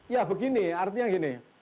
ya begini artinya begini